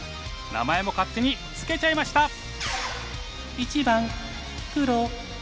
名前も勝手に付けちゃいました！